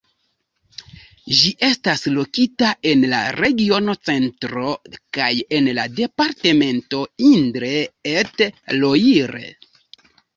Ĝi estas lokita en la regiono Centro kaj en la departemento Indre-et-Loire.